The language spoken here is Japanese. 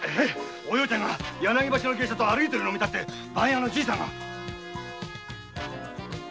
お葉ちゃんが柳橋の芸者と歩いてるのを見たと番屋のじいさんが。